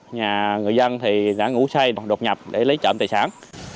nhà người dân thì đã ngủ say đột nhập để lấy trộm tài sản